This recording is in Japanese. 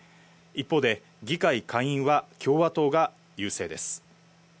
一方で議会下院は共和党が優勢です。